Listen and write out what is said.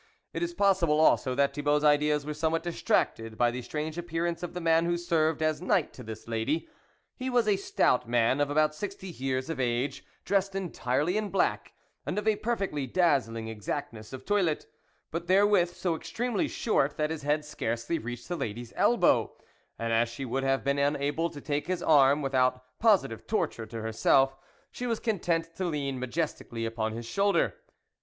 '; It is possible also that Thibault's ideas were scmewhat distracted by the strange ap pearance of the man who served as knight to this lady, .He was a stout man of about sixty years of age, dressed entirely in black, and of a perfectly dazzling exact ness of toilet ; but therewith, so extremely short, that his head scarcely reached the lady's elbow, and as she would have been unable to take his arm, without positive tor ture to herself, she was content to lean ma 54 THE WOLF LEADER jestically upon his shoulder.